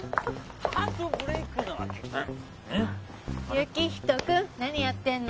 行人君何やってんの？